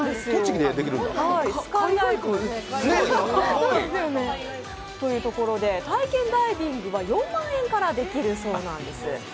スカイダイブ藤岡というところで体験ダイビングは４万円からできるそうなんです。